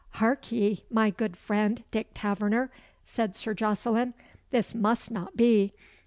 "Hark ye, my good friend, Dick Taverner," said Sir Jocelyn, "this must not be.